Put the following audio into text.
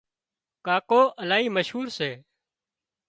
ڪاڪو الاهي مشهور سي